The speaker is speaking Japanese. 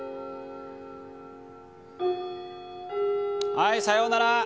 はいさようなら！